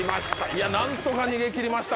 いや何とか逃げ切りました。